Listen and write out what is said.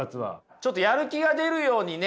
ちょっとやる気が出るようにね